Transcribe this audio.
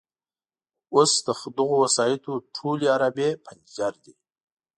اوس د دغو وسایطو ټولې عرابې پنجر دي.